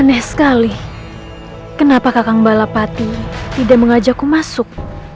aneh sekali kenapa kakang balapati tidak mengajakku masuk